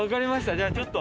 じゃあちょっと。